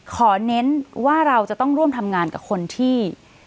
เน้นว่าเราจะต้องร่วมทำงานกับคนที่